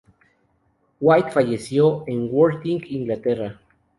White falleció en Worthing, Inglaterra.